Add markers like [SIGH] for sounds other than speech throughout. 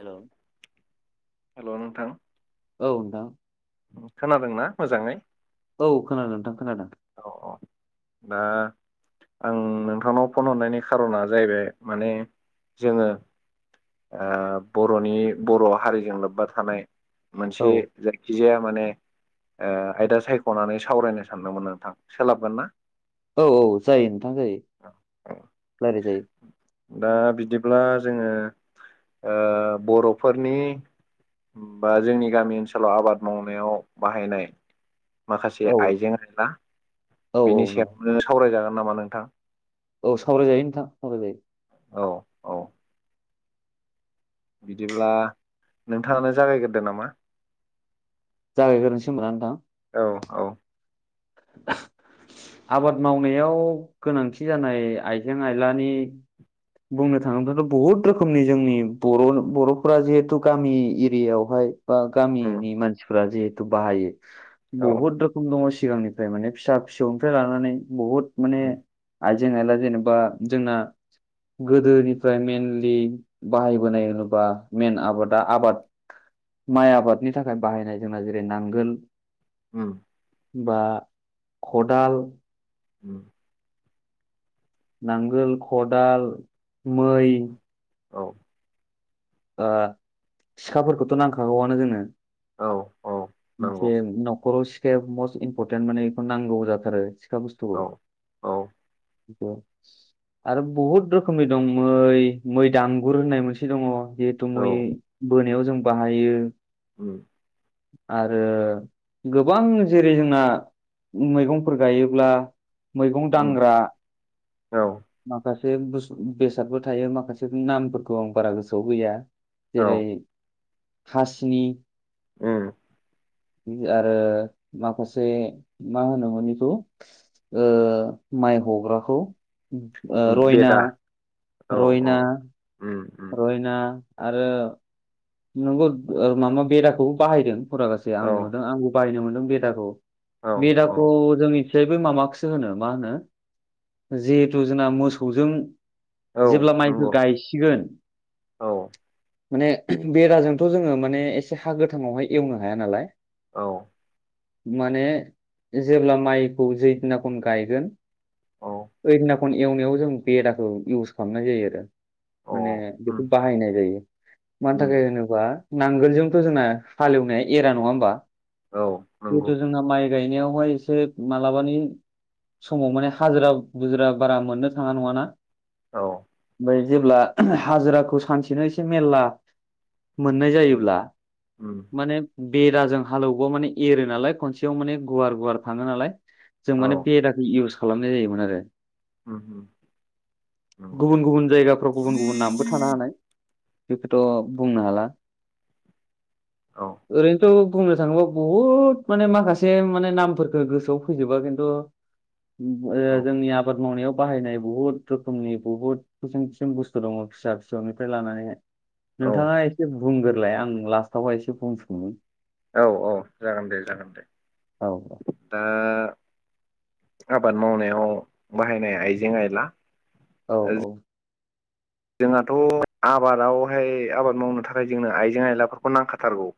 Hello hello नोंथां। औ नोंथां। खोनादोंना मोजाङै? औ खोनादों नोंथां खोनादों। औ औ दा आं नोंथांनाव फन हरनायनि खार'ना जाहैबाय माने जोङो ओ बर'नि बर' हारिजों लोब्बा थानाय। मोनसे औ जायखिजाया माने ओ आयदा सायख'नानै सावरायनो सानदोंमोन आं। सोलाबगोन ना? औ औ जायो नोंथां जायो। रायलाय जायो दा बिदिब्ला! जोङो ओ बर'फोरनि बा जोंनि गामि ओनसोलाव आबाद मावनायाव बाहायनाय। माखासे औ आइजें आइला। औ बिनि औ नंगौ सायावनो सावरायजागोन नामा नोंथां? औ सावरायजायो नोंथां सावराय जायो। औ औ बिदिब्ला नोंथाङानो जागायगोदो नामा। जागायग्रोनोसै होनबा नोंथां। औ-औ। [UNINTELLIGIBLE] आबाद मावनायाव गोनांथि जानाय आइजें आइलानि बुंनो थाङोब्लाथ' बहुद रोखोमनि जोंनि बर' बर'फोरा जिहेथु गामि एरियायावहाय। बा उम गामिनि मानसिफ्रा जिहेथु बाहायो औ बहुद रोखोम दङ सिगांनि। फ्राय माने फिसा फिसौनिफ्राय लानानै बुहुद माने उम आइ जेंनेला जेनेबा जोंना गोदोनिफ्राय मेनलि बाहायबोनाय होनोब्ला मेन आबादा आबाद माइ आबादनि थाखाय बाहायनाय जोंना जेरै नांगोल। [UNINTELLIGIBLE] बा खदाल [UNINTELLIGIBLE] नांगोल खदाल मै औ। ओ सिखाफोरखौथ' नांखागौआनो जोंनो। औ औ [INAUDIBLE] नंगौ जे नख'राव सि [UNINTELLIGIBLE] मस्ट इम्परटेन्ट माने इखौ नांगौ जाथारो सिखा बुस्थुखौ औ औ [INAUDIBLE] [UNINTELLIGIBLE] आरो बहुद रोखोमनि दं मै, मै दामगुर होननाय मोनसे दङ। जिहेथु औ मैयै बोनायाव जों बाहायो। [UNINTELLIGIBLE] आरो गोबां जेरै जोंना। मैगंफोर गायोब्ला मैगं उम दांग्रा औ [INAUDIBLE] माखासे। बे बुस बेसादबो थायो माखासे उ नामफोरखौ आं बारा गोसोआव गैया औ जेरै हासिनि उम। उ आरो माखासे मा होनोमोन इखौ ओ माइ हग्राखौ ओ रयना बेदा औ औ रयना। उम उम रयना आरो नोंगौ ओ मामा बेदाखौ बाहायदों। फुरागासे आं औ नुदों आंबो बायनो मोनदों बेदाखौ, औ औ बेदाखौ जोंनि। जेबो मामाखौसो होनो मा होनो जिहेथु जोंना मोसौजों औ जेब्ला माइखौ नंगौ गायसिगोन औ [INAUDIBLE] माने बेदाजोंथ' जोङो माने एसे हा गोथाङावहाय एवनो हाया नालाय। औ। माने जेब्ला माइखौ जै दिनाखन गायगोन औ ओइना खन एवनायाव जों बेदाखौ इउस खालामनाय जायो आरो। माने औ उम बेखौ बाहायनाय जायो मानि उम थाखाय होनोबा नांगोलजोंथ' जोंना हालेवनाया एरा नङा होमबा औ नंगौ जेहेथु जोंना माइ। गायनायावहाय एसे मालाबानि समाव माने हाजिरा बुजिरा बारा मोननो थाङा नङाना। औ। जाय जेब्ला [UNINTELLIGIBLE] हाजिराखौ सानसेनो एसे मेल्ला मोननाय उम जायोब्ला उम माने बेदाजों हालौवौ माने एरो नालाय खनसेयाव माने गुवार गुवार थाङो नालाय जों औ माने बेदाखौ इउस खालामनाय जायोमोन आरो। उम उम [INAUDIBLE] नंगौ गुबुन गुबुन जायगाफ्राव गुबुन गुबुन नामबो थानो हानाय। बेखौथ' बुंनो हाला औ [INAUDIBLE] ओरैनोथ' बुंनो थाङोबा बुहुद माने माखासे माने नामफोरखो गोसोआव फैजोबा जेन्थ' ओ औ जोंनि आबाद मावनायाव बाहायनाय बुहुद रोखोमनि बुहुद [UNINTELLIGIBLE] बुस्थु दङ फिसा फिसौनिफ्राय लानानैहाय। औ नोंथाङा इसे बुंग्रोलाय आं लास्टआवहाय इसे बुंसोमोन। औ औ जागोन दे जागोन दे औ दा आबाद मावनायाव बाहायनाय आइजें आइला। औ-औ। जोंहाथ' आबादावहाय आबाद मावनो थाखाय जोंनो आइजें आयलाफोरखौ नांखाथारगौ।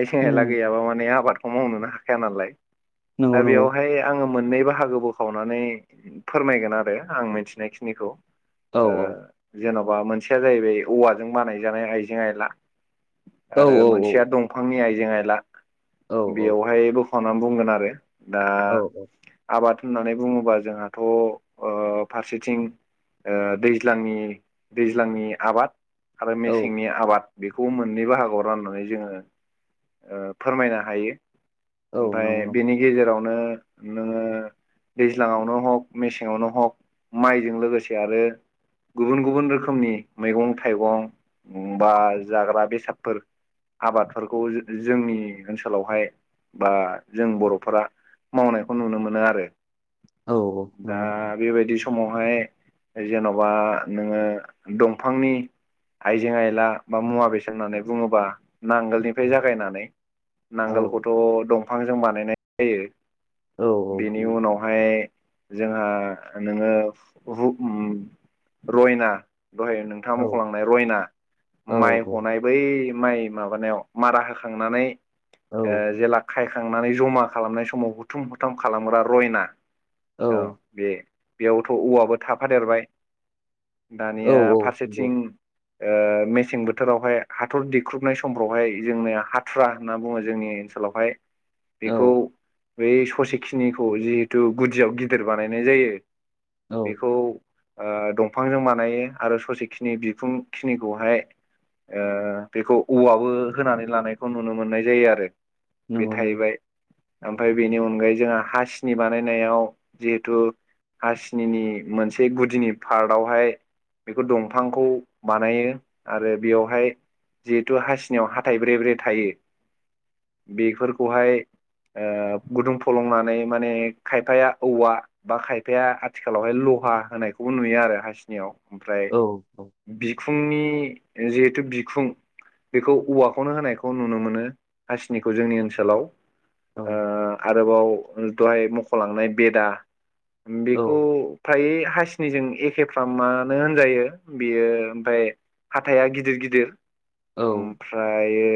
आइसें आयला उम गैयाबा माने आबादखौ मावनोनो हाखाया नालाय नंगौ दा नंगौ बेवहाय आङो मोननै बाहागो बोखावनानै फोरमायगोन आरो आं मिथिनायखिनिखौ। ओ औ जेन'बा मोनसेया जाहैबाय औवाजों बानायजानाय आइजें आइला। औ आरो औ औ मोनसेया दंफांनि आइजें आयला औ बेवहायबो खावना बुंगोन आरो दा औ आबाद होननानै बुङोबा जोंहाथ' ओ फारसेथिं ओ दैज्लांनि दैज्लांनि आबाद आरो औ मेसेंनि आबाद। बेखौ मोननै बाहागोआव राननानै जोङो ओ फोरमायनो हायो। औ ओमफाय नंगौ नंगौ बेनि गेजेरावनो नोङो दैज्लाङावनो हक मेसेङावनो हक माइजों लोगोसे आरो गुबुन-गुबुन रोखोमनि मैगं थाइगं बा जाग्रा बेसादफोर। आबादफोरखौ ज जोंनि ओनसोलावहाय बा जों बर'फोरा। मावनायखौ नुनो मोनो आरो। औ-औ-औ दा नोंगौ। बेबायदि समावहाय जेन'बा। नोङो दंफांनि आइजें आइला बा मुवा बेसें होननानै बुङोबा। नांगोलनिफ्राय जागायनानै औ नांगोलखौथ' दंफांजों बानायनाय जायो। औ बेनि उनावहाय। जोंहा नोङो रुब उम रयना। दहाय नोंथाङा औ मख'लांनाय रयना माइ हनाय बै माइ माबानायाव मारा होखांनानै औ ओ जेला खाय थांनानै जमा खालामनाय समाव हुथुम हुथम खालामग्रा रयना औ बे। बेयावबोथ' औवाबो थाफादेरबाय दानिया फारसेथिं ओ मेसें बोथोरावहाय हाथर देख्रुबनाय समफ्रावहाय जोंनिया हाथुरा होनना बुङो जोंनि सोलावहाय। बेखौ बै ससेखिनिखौ जिहेथु गुदियाव गिदिर बानायनाय जायो। बेखौ ओ दं फांजों बानायो आरो ससेखिनि बिखुं खिनिखौहाय ओ बेखौ औवाबो होनानै लानायखौ नुनो मोननाय जायो आरो। बे थाहैबाय ओमफाय बेनि अनगायै जोंहा हास्नि बानायनायाव जिहेथु हास्निनि मोनसे गुदिनि हालदआवहाय बेखौ दंफांखौ बानायो आरो बेयावहाय जिहेथु हास्नियाव हाथाइ ब्रे-ब्रे थायो बेफोरखौहाय ओ गुदुं फलंनानै माने खायफाया औवा बा खायफाया आथिखालावहाय ल खहा होनायखौबो नुयो आरो हास्नियाव ओमफ्राय बिखुंनि ओ जिहेतु बिखुं बेखौ औवाखौनो होनायखौ नुनो मोनो हास्निखौ जोंनि ओनसोलाव। औ ओ आरोबाव दहाय मख'लांनाय बेदा। बेखौ फ्राय हास स्नि जों एखेफ्रा मानो होनजायो बेयो ओमफाय हाथाइा गिदिर-गिदिर। ओमफ्रायो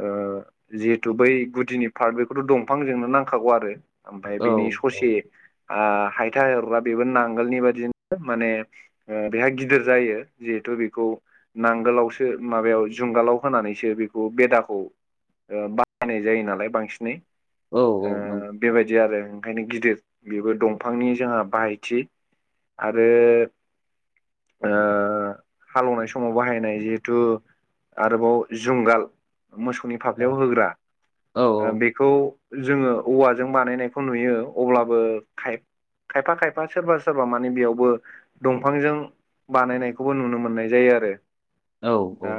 ओ- जिहेथु बै गुदिनि पार्ट बेखौथ' दंफांजोंनो नांखागौ आरो ओमफफ्राय बिनि ससे ओ- हायथा हरग्रा बेबो नाङ नांगोलनि बादिनो माने ओ- बेहा गिदिर जायो जिहेथु बेखौ नांगोलावसो माबायाव जुंगालाव होनानैसो बेखौ बेदाखौ ओ- बाहायनाय जायो नालाय बांसिनै औ औ ओ नंगौ बेबायदि आरो ओंखायनो गिदिर बेबो दंफांनि जोंहा बाहायथि आरो आ हालेवनाय समाव बाहायनाय जिहेथु आरोबाव जुंगाल। मोसौनि फाफ्लायाव होग्रा ओ बेखौ जोङो औवाजों बानायनायखौ नुयो। अब्लाबो खाय खायफा खायफा सोरबा सो- सोरबा मानि बेयावबो दंफांजों बानायनायखौबो नुनो मोननाय जायो आरो। औ औ दा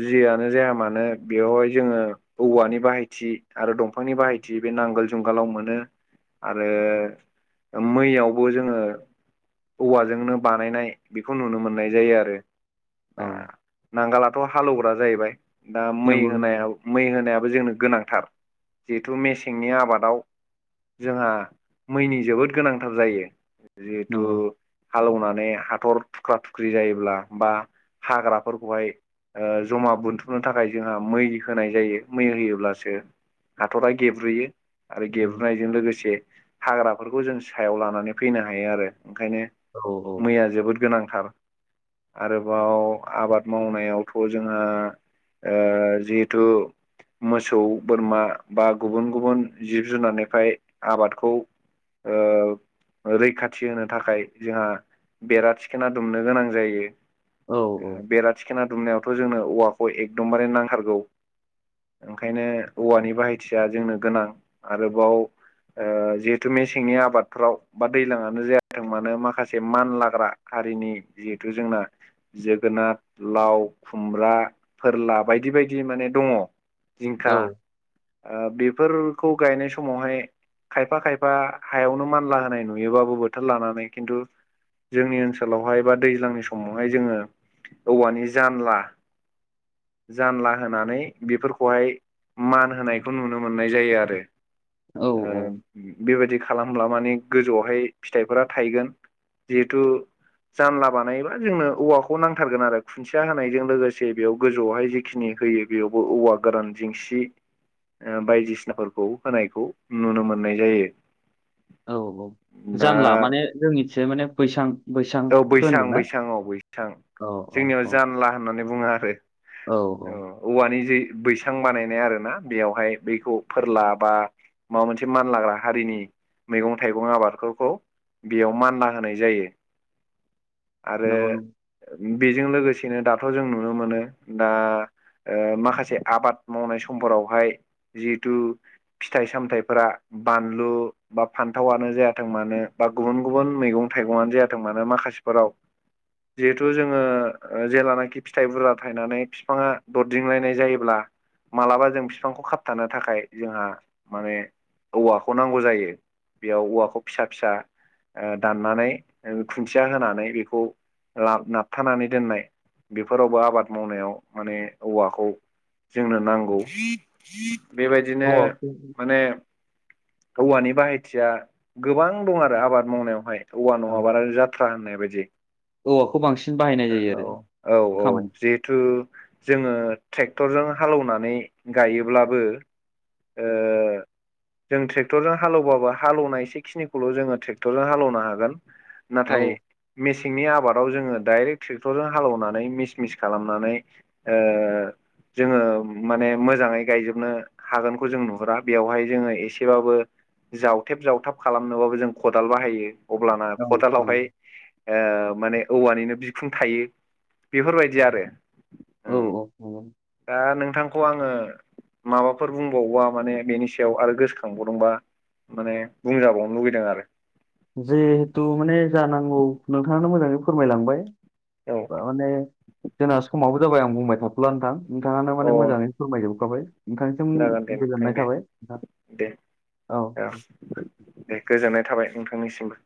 जियानो जाया मानो बेवहाय जोङो औवानि बाहायथि आरो दंफांनि बाहाय थि बे नांगोल जुंगालाव मोनो आरो मैयाव- बो जोङो औवाजोंनो बानायनाय बेखौ नुनो मोननाय जायो आरो। दा नांगालाथ' हालौवग्रा जाहैबाय। दा मै नंगौ होनायाव मै होनाय- जोंनो गोनांथार जिहेथु मेसेंनि आबादाव जोंहा मैनि जोबोद गोनांथार जायो। जिहेथु नंगौ हालेवनानै हाथरुख्रा थुख्रि जायोब्ला बा हाग्राफोरखौहाय ओ जमा बोनथुमनो थाखाय जोंहा मै होनाय जायो मै होयोब्लासो हाथरा गेब्रुयो। आरो उम, गेबुनायजों लोगोसे हाग्राफोरखौ जों सायाव लानानै फैनो हायो आरो। ओंखायनो औ मैया जोबोद गोनांथार। आरोबाव आबाद मावनायावथ' जोंहा ओ जिहेथु मोसौ बोरमा बा गुबुन-गुबुन जिब जुनारनिफ्राय आबादखौ ओ रैखाथि होनो थाखाय जोंहा बेरा थिखोना दुमनो गोनां जायो। औ औ ओ बेरा थिखोना दुमनायावथ' जोंनो औवाखौ एकदमबारे नांथारगौ। ओंखायनो औवानि बाहायथिया जोंनो गोनां। आरोबाव ओ जिहेतु मेसेंनि आबादफोराव बा दैजलङानो जायाथों मानो माखासे मान लाग्रा हारिनि जिहेथु जोंना जोगोन नार, लाव, खुमब्रा, फोरला बायदि बायदि माने दङ। औ जिंखा ओ बेफोरखौ गायनाय समावहाय खायफा खायफा हायावनो मानला होनाय नुयोबाबो बोथोर लानानै खिन्थु जोंनि ओनसोलावहाय बा दैज्लांनि समावहाय जोङो औवानि जानला जानला होनानै बेफोरखौहाय मान होनायखौ नुनो मोननाय जायो आरो। औ ओ बेबायाददि खालामब्ला माने गोजौआवहाय फिथाइफोरा थायगोन। जिहेथु जानला बानायोबा जोंनो औवाखौ नांथारगोन आरो खुन्थिया होनायजों लोगोसे बेयाव गोजौआवहाय जिखिनि होयो बेयावबो औवा गोरान जिंसि बायदिसिनाफोरखौ होनायखौ नुनो मोननाय जायो। औ औ दा जानला माने जोंनिसे माने बैसां औ बैसांखौ बैसां होनदोंना बैसां औ बैसां औ औ जोंनियाव औ जानला होननानै बुङो आरो। औ औवानि जै बैसां बानायनाय आरो ना बेयावहाय बैखौ फोरला बा माबा मोनसे मानलाग्रा हारिनि मैगं-थाइगं आबादफोरखौ बेयाव मानला होनाय जायो। आरो नंगौ नंगौ। बेजों लोगोसेनो दाथ' जों नुनो मोनो। दा ओ माखासे आबाद मावनाय समफोरावहाय। जिहेथु फिथाइ-सामथायाइफोरा बानलु बा फान्थावानो जायाथों मानो। बा गुबुन गुबुन मैगं-थाइगंआानो जायाथों मानो माखासेफोराव बा जिहेथु जोङो जेलानाखि फिथाइ बुरजा थायनानै बिफांङा दरदिंलायनाय जायोब्ला। मालाबा जों बिफांखौ खाबथानो थाखाय जोंहा माने। औवाखौ नांगौ जायो। बेयाव औवाखौ फिसा फिसा दाननानै। ओ खुन्थिया होनानै बेखौ। लाब नाबथानानै दोननाय बेफोरावबो आबाद मावनायाव माने औवाखौ जोंनो नांगौ बेबायदिनो औवाखौ माने औवानि बाहायथिया गोबां दं आरो आबाद मावनायावहाय औवा औ नङाबानो जाथ्रा होननाय बिदि। औवाखौ बांसिन बाहायनाय जायो औ आरो औ औ खामानि जिहेथु जोङो टे क्टरजों हालौनानै गायोब्लाबो ओ जों ट्रेक्टरजों हालौवबाबो हालौनाय एसे खिनिखौल' जोङो ट्रेक्टरजों हालौनो हागोन। औ नाथाय मेसेंनि आबाद आव जोङो डाइरेक्ट ट्रेक्टरजों हालौवनानै मिस मिस खालामनानै ओ जोङो माने मोजाङै गायजोबनो हागोनखौ जों नुहुरा। ‌बेआवहाय जोंओ एसे एबाबो जावथेब जावथाब खालामनोबाबो जों खदाल अब्लाना औ खदालावहाय नंगौ ओ माने औवानिनो बिखुं थायो। बेफोरबायदि आरो औ ओं नंगौ दा नोंथांखौ आङो माबाफोर बुंबावोबा माने बेनि सायाव आरो गोसोखांबावदोंबा माने बुंजाबावनो लुुबैदों आरो। जिहेथु माने जानांगौ नोंथाङानो मोजाङै फोरमायलांबाय। बा माने जोंना समाबो जाबाय आं बुंबाय थाथ'ला नोंथां। नोंथाङानो औ माने अ मोजाङै फोरमायजोबखाबाय। नोंथांसिम जागोन दे नोंथां गोजोननाय दे थाबाय नोंथां दे। औ दे गोजोननाय थाबाय। नोंथांनिसिमबो।